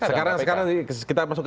sekarang kita masuk ke